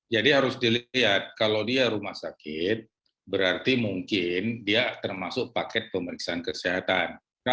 jadi harus dilihat kalau dia rumah sakit berarti mungkin dia termasuk paket pemeriksaan kesehatan